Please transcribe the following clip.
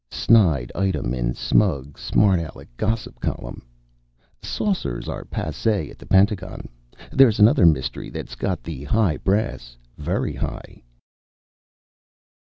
_Snide item in smug, smartaleck gossip column: Saucers are passé at the Pentagon. There's another mystery that's got the high brass very high.